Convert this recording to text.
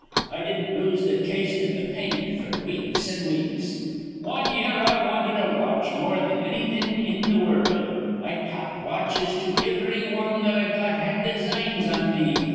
I didn't lose th' taste iv th' paint f'r weeks an' weeks. "Wan year I wanted a watch more thin annything in th' wurruld. I talked watches to ivry wan that I thought had designs on me.